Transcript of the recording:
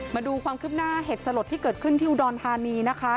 มาดูความคืบหน้าเหตุสลดที่เกิดขึ้นที่อุดรธานีนะคะ